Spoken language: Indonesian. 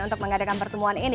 untuk mengadakan pertemuan ini